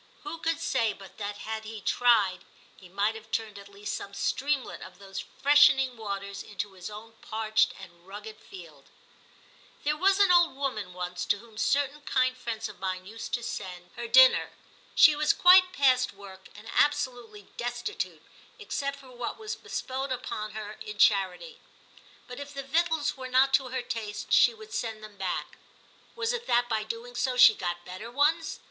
Who could say but that had he tried, he might have turned at least some streamlet of those freshening waters into his own parched and rugged field ? There was an old woman once to whom certain kind friends of mine used to send u 290 TIM CHAP. her dinner. She was quite past work, and absolutely destitute, except for what was bestowed upon her in charity, but if the victuals were not to her taste she would send them back. Was it that by so doing she got better ones?